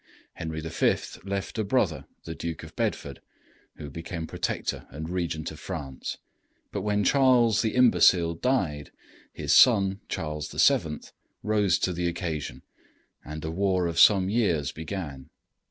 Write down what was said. Henry V. left a brother, the Duke of Bedford, who became Protector and Regent of France; but when Charles the Imbecile died, his son, Charles VII., rose to the occasion, and a war of some years began.